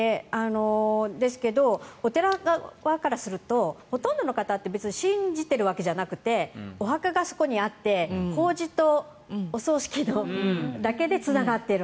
ですけど、お寺側からするとほとんどの方って信じてるわけじゃなくてお墓がそこにあって法事とお葬式だけでつながっている。